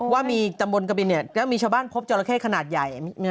ว่ามีตำบลกะบินมีชาวบ้านพบจราเข้ขนาดใหญ่